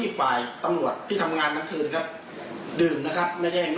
ทางฝ่ายตำรวจที่ทำงานนักครึ่งครับ